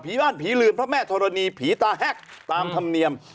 บ้านผีลืนพระแม่ธรณีผีตาแฮกตามธรรมเนียม